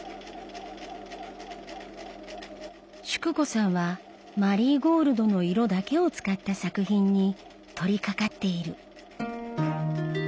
淑子さんはマリーゴールドの色だけを使った作品に取りかかっている。